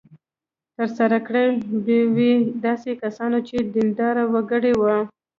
ترسره کړې به وي داسې کسانو چې دینداره وګړي وو.